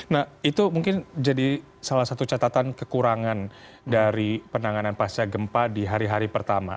nah itu mungkin jadi salah satu catatan kekurangan dari penanganan pasca gempa di hari hari pertama